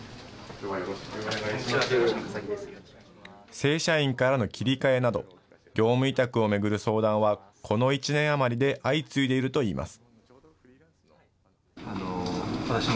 正社員からの切り替えなど、業務委託を巡る相談は、この１年余りで相次いでいるといいます。